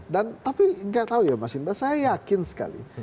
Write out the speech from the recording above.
dan tapi nggak tahu ya mas indra saya yakin sekali